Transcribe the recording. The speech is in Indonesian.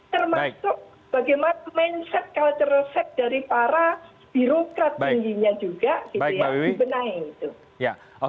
termasuk bagaimana mindset dari para birokrat tingginya juga